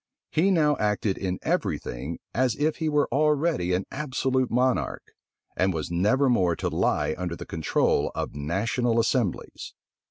He now acted in every thing as if he were already an absolute monarch, and was never more to lie under the control of national assemblies.